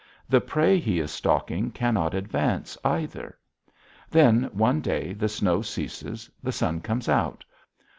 The prey he is stalking cannot advance either. Then one day the snow ceases; the sun comes out.